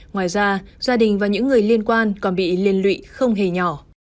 ngoài ra gia đình và những người liên quan còn bị liên lụy không hề nhỏ